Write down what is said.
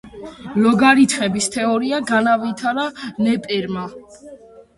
ლოგარითმების თეორია განავითარა ნეპერმა.